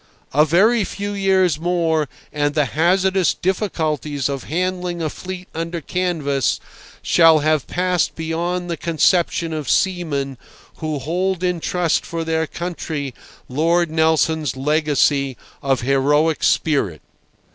A very few years more and the hazardous difficulties of handling a fleet under canvas shall have passed beyond the conception of seamen who hold in trust for their country Lord Nelson's legacy of heroic spirit.